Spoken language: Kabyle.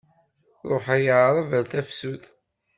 Ṛuḥ ay aɛṛab ar tafsut.